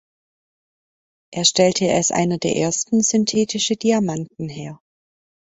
Er stellte als einer der ersten synthetische Diamanten her.